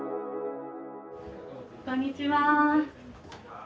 こんにちは。